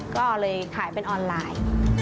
ก็เลยขายเป็นออนไลน์